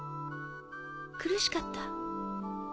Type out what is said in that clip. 苦しかった？